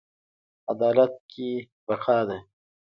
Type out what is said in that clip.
عدالت کې بقا ده